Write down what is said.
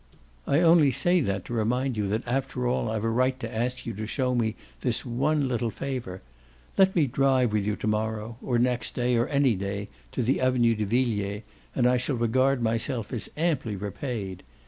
"I only say that to remind you that after all I've a right to ask you to show me this one little favour. Let me drive with you to morrow, or next day or any day, to the Avenue de Villiers, and I shall regard myself as amply repaid.